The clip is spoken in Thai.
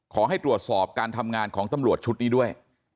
ขอให้ตรวจสอบการทำงานของตำรวจชุดนี้ด้วย